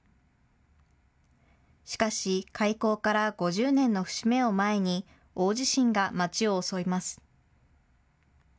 しかし、開校から５０年の節目を前に大地震が街を襲います。